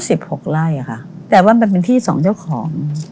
หกไล่อะค่ะแต่ว่ามันเป็นที่สองเจ้าของ